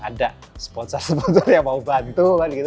ada sponsor sponsor yang mau bantu kan gitu